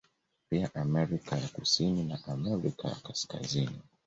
Pia Amerika ya kusini na Amerika ya Kaskazini